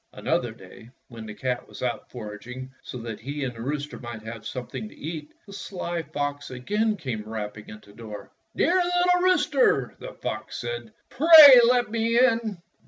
Another day, when the cat was out forag ing so that he and the rooster might have something to eat, the sly fox again came 181 Fairy Tale Foxes rapping at the' door. "Dear little rooster,'* the fox said, "pray let me in."